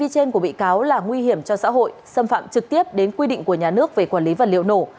cho xã hội xâm phạm trực tiếp đến quy định của nhà nước về quản lý vật liệu nổ